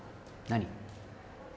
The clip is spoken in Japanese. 何？